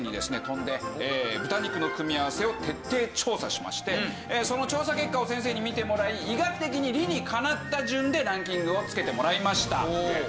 飛んで豚肉の組み合わせを徹底調査しましてその調査結果を先生に見てもらい医学的に理にかなった順でランキングをつけてもらいました。